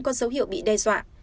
có dấu hiệu bị đe dọa